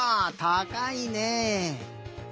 たかいね。